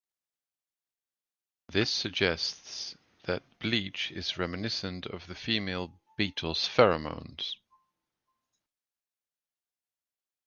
This suggests that bleach is reminiscent of the female beetle's pheromones.